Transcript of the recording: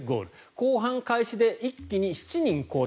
後半開始で一気に７人交代。